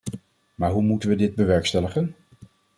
Maar hoe moeten we dit bewerkstelligen?